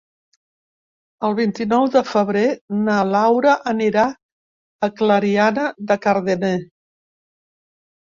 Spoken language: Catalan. El vint-i-nou de febrer na Laura anirà a Clariana de Cardener.